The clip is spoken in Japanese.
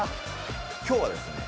今日はですね